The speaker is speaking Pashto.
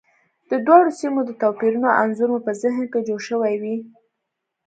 د دواړو سیمو د توپیرونو انځور مو په ذهن کې جوړ شوی وي.